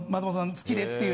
好きでっていう。